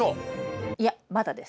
いやまだです。